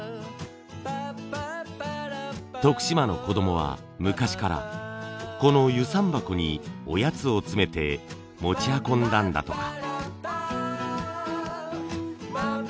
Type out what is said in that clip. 徳島の子供は昔からこの遊山箱におやつを詰めて持ち運んだんだとか。